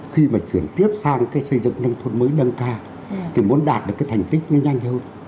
khi mà chuyển tiếp sang xây dựng nông thuần mới nâng ca thì muốn đạt được thành tích nhanh hơn